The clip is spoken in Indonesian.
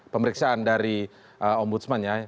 pemeriksaan dari ombudsman ya